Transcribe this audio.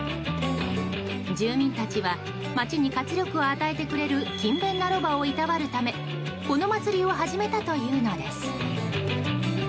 住民たちは街に活力を与えてくれる勤勉なロバを労るためこの祭りを始めたというのです。